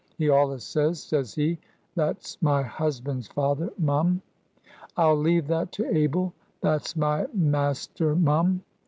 He allus says, says he,—that's my husband's father, mum,—'I'll leave that to Abel,'—that's my maester, mum.